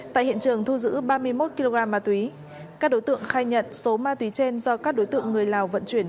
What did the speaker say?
tại hiện trường thu giữ ba mươi một kg ma túy các đối tượng khai nhận số ma túy trên do các đối tượng người lào vận chuyển